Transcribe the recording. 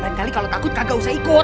banyak kali kalau takut kagak usah ikut